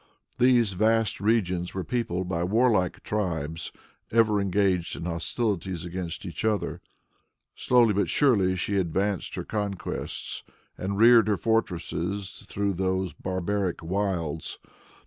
These vast regions were peopled by warlike tribes, ever engaged in hostilities against each other. Slowly but surely she advanced her conquests and reared her fortresses through those barbaric wilds.